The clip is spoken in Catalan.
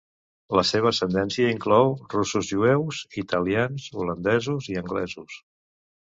La seva ascendència inclou russos-jueus, italians, holandesos i anglesos.